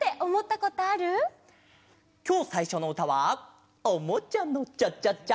きょうさいしょのうたは「おもちゃのチャチャチャ」！